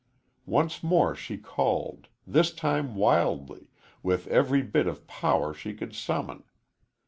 Once more she called this time wildly, with every bit of power she could summon.